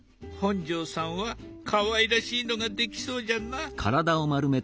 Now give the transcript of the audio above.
本上さんはかわいらしいのができそうじゃな。